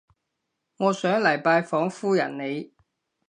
我想嚟拜訪夫人你